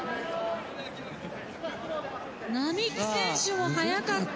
並木選手も速かった。